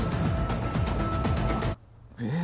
え？